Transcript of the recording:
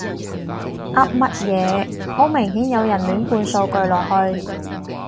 噏乜嘢，好明顯有人亂灌數據落去